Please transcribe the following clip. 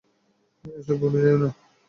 এসব ভুলে যেও না!